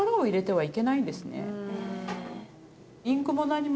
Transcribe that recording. はい。